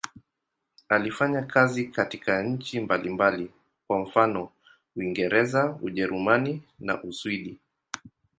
Alifanya kazi katika nchi mbalimbali, kwa mfano Uingereza, Ujerumani na Uswidi.